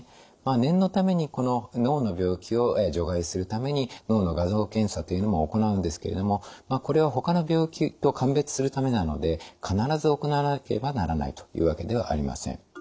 念のために脳の病気を除外するために脳の画像検査というのも行うんですけれどもこれはほかの病気と鑑別するためなので必ず行わなければならないというわけではありません。